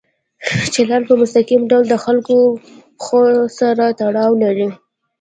چلند په مستقیم ډول د خلکو او پېښو سره تړاو لري.